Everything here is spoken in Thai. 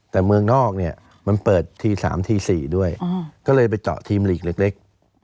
แต่เมืองนอกเนี่ยมันเปิดที๓ที๔ด้วยก็เลยไปเจาะทีมหลีกเล็ก